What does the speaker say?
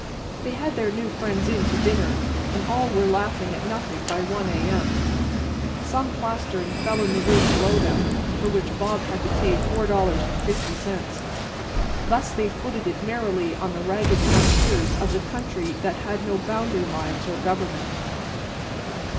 They had their new friends in to dinner and all were laughing at nothing by 1 A. M. Some plastering fell in the room below them, for which Bob had to pay $4.50. Thus they footed it merrily on the ragged frontiers of the country that has no boundary lines or government.